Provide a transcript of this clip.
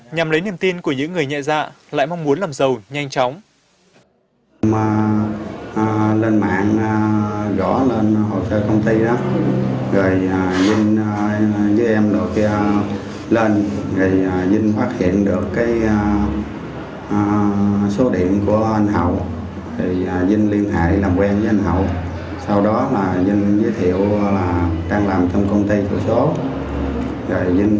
nhằm lấy niềm tin của những người nhạy dạ lại mong muốn làm giàu nhanh chóng